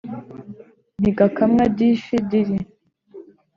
ntigakamwa difi diri